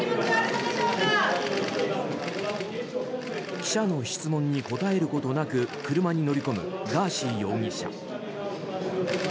記者の質問に答えることなく車に乗り込むガーシー容疑者。